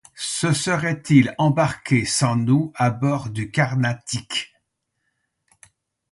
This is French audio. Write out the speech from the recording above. Se serait-il embarqué sans nous à bord du Carnatic?